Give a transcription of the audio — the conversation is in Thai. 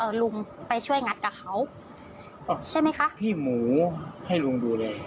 ลุงไปช่วยงัดกับเขาใช่ไหมคะพี่หมูให้ลุงดูแล